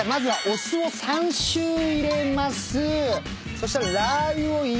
そしたら。